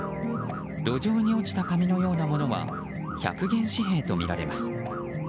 路上に落ちた紙のようなものは１００元紙幣とみられます。